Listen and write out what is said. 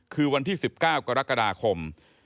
คือวันที่๑๙กรกฎาคม